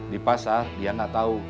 di pasar dia gak tau